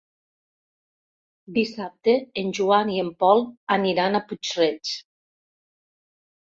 Dissabte en Joan i en Pol aniran a Puig-reig.